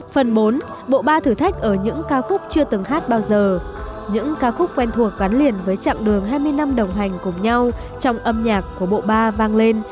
phần bốn bộ ba thử thách ở những ca khúc chưa từng hát bao giờ những ca khúc quen thuộc gắn liền với chặng đường hai mươi năm đồng hành cùng nhau trong âm nhạc của bộ ba vang lên